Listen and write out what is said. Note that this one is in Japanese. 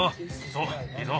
そういいぞ。